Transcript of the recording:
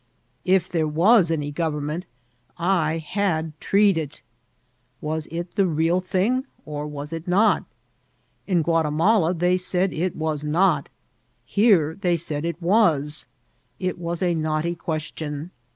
If there was any government, I had treed it. Was it the real thing or was it not ? In Guatimala they said it was not ; here they said it was. It was a knotty question.